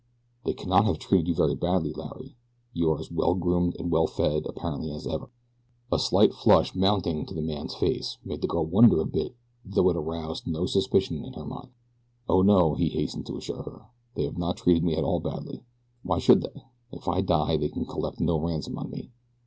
"They cannot have treated you very badly, Larry," she said. "You are as well groomed and well fed, apparently, as ever." A slight flush mounting to the man's face made the girl wonder a bit though it aroused no suspicion in her mind. "Oh, no," he hastened to assure her, "they have not treated me at all badly why should they? If I die they can collect no ransom on me.